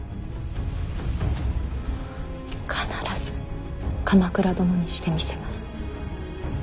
必ず鎌倉殿にしてみせます。